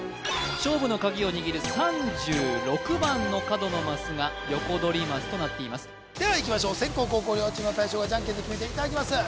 勝負の鍵を握る３６番の角のマスがヨコドリマスとなっていますではいきましょう先攻・後攻両チームの大将がジャンケンで決めていただきます